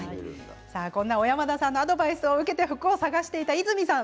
小山田さんのアドバイスを受けて服を探していた和泉さん